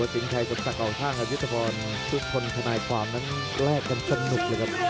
สิงห์ชายสดสักออกทางครับยุทธพรทุกคนทำลายความนั้นแรกกันสนุกเลยครับ